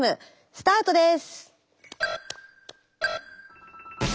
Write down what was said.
スタートです。